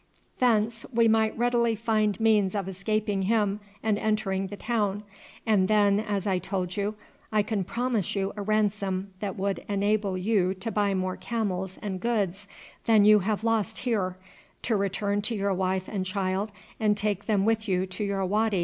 Thence we might readily find means of escaping him and entering the town, and then, as I told you, I can promise you a ransom that would enable you to buy more camels and goods than you have lost here, to return to your wife and child and take them with you to your wady.